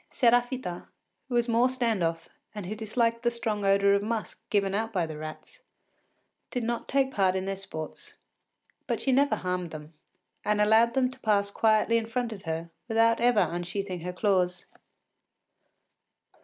Séraphita, who was more stand off and who disliked the strong odour of musk given out by the rats, did not take part in their sports, but she never harmed them, and allowed them to pass quietly in front of her without ever unsheathing her claws.